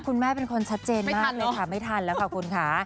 คุณแม่เป็นคนชัดเจนไม่ทันเลยค่ะไม่ทันแล้วค่ะคุณค่ะ